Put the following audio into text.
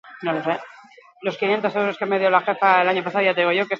Izan zenuten produkzio handinahiagoa egiteko tentaziorik?